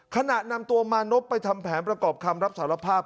ขณะนำตัวมานพไปทำแผนประกอบคำรับสารภาพ